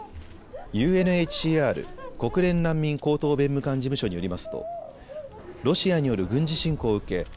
ＵＮＨＣＲ・国連難民高等弁務官事務所によりますとロシアによる軍事侵攻を受け